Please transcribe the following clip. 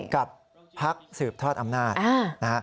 กับภักดิ์สืบทอดอำนาจ